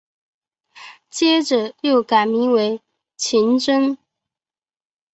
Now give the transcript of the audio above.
接着又改名为晴贞。